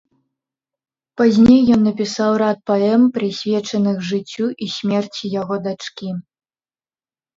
Пазней ён напісаў рад паэм, прысвечаных жыццю і смерці яго дачкі.